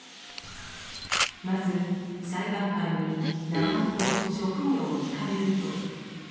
まず、裁判官に名前と職業を聞かれると。